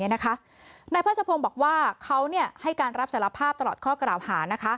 นายพัชพงศ์บอกว่าเขาให้การรับสารภาพตลอดข้อกล่าวหา